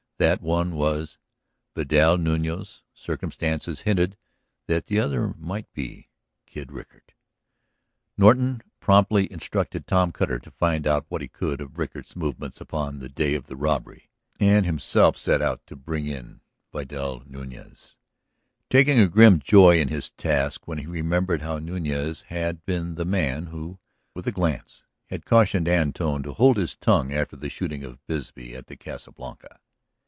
That one was Vidal Nuñez; circumstances hinted that the other well might be Kid Rickard. Norton promptly instructed Tom Cutter to find out what he could of Rickard's movements upon the day of the robbery, and himself set out to bring in Vidal Nuñez, taking a grim joy in his task when he remembered how Nuñez had been the man who, with a glance, had cautioned Antone to hold his tongue after the shooting of Bisbee at the Casa Blanca.